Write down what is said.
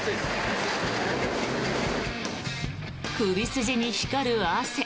首筋に光る汗。